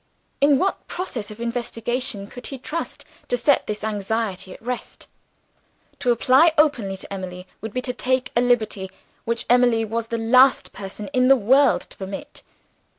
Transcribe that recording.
In what process of investigation could he trust, to set this anxiety at rest? To apply openly to Emily would be to take a liberty, which Emily was the last person in the world to permit.